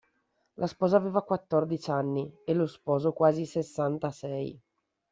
La sposa aveva quattordici anni e lo sposo quasi sessantasei.